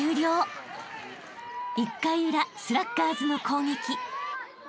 ［１回裏スラッガーズの攻撃］